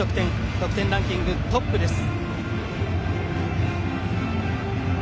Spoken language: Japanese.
得点ランキングトップです。